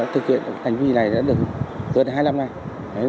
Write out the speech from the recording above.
thực hiện hành vi này đã được hơn hai năm nay